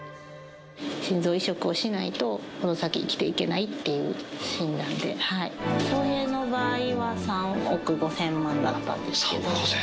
心臓移植をしないと、この先生きていけないっていう診断で。の場合は３億５０００万円だったんですけど。